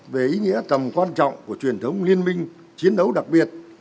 về ý nghĩa tầm quan trọng của truyền thống liên minh chiến đấu đặc biệt